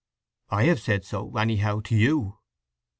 "I have said so, anyhow, to you."